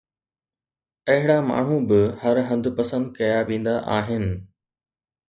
اهڙا ماڻهو به هر هنڌ پسند ڪيا ويندا آهن